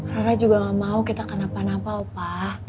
rara juga gak mau kita kenapa napa opa